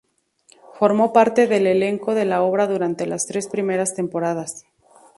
Formó parte del elenco de la obra durante las tres primeras temporadas.